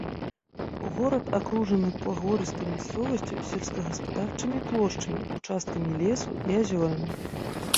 Горад акружаны пагорыстай мясцовасцю з сельскагаспадарчымі плошчамі, участкамі лесу і азёрамі.